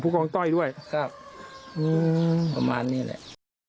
กองต้อยด้วยครับประมาณนี้แหละ